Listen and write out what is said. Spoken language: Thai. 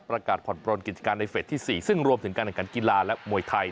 ประกาศผ่อนปลนกิจการในเฟสที่๔ซึ่งรวมถึงการแข่งขันกีฬาและมวยไทย